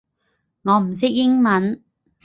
我唔識英文